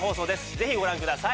ぜひご覧ください